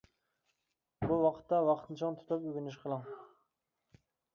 بۇ ۋاقىتتا ۋاقىتنى چىڭ تۇتۇپ ئۆگىنىش قىلىڭ.